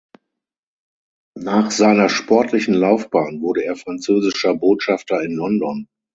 Nach seiner sportlichen Laufbahn wurde er französischer Botschafter in London.